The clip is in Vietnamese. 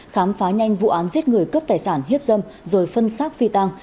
khám phá nhanh vụ án giết người cướp tài sản hiếp dâm rồi phân xác phi tăng